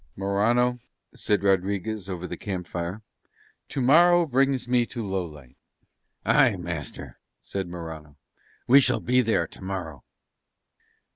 "Morano," said Rodriguez over the camp fire, "tomorrow brings me to Lowlight." "Aye, master," said Morano, "we shall be there tomorrow."